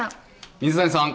水谷さん。